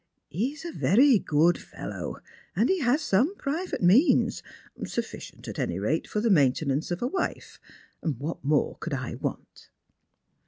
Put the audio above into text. He is a very good fellow, and he has some private means, sufficient at any raia for the maintenance of a wife what more could I want